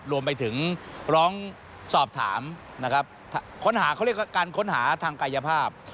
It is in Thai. รวมไปถึงร้องสอบถามนะครับค้นหาเขาเรียกว่าการค้นหาทางกายภาพ